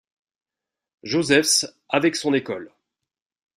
Joseph's avec son école.